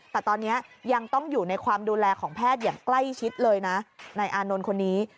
แต่ตอนนี้ยังต้องอยู่ในความดูแลของแพทย์อย่างใกล้ชิดเลยนะนายอานนท์คนนี้